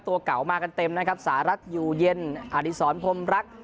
ตัวก่อกล่าวกันเต็มนะครับสหรัฐยูเย็นอดิษรพรมรัก